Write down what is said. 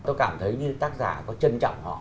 tôi cảm thấy như tác giả có trân trọng họ